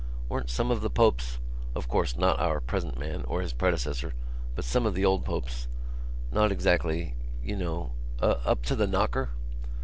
"Weren't some of the popes—of course, not our present man, or his predecessor, but some of the old popes—not exactly ... you know ... up to the knocker?"